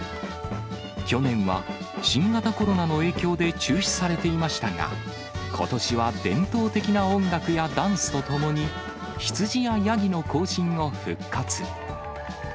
去年は新型コロナの影響で中止されていましたが、ことしは伝統的な音楽やダンスとともに、ヒツジやヤギの行進を復活。